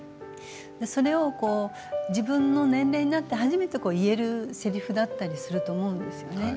それを自分の年齢になって初めて言えるせりふだったりすると思うんですね。